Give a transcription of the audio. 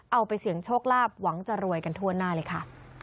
เอาไปเสี่ยงโชคลาภหวังจะรวยกันทั่วหน้าเลยค่ะ